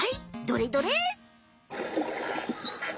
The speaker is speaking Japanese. どれどれ。